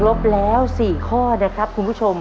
บแล้ว๔ข้อนะครับคุณผู้ชม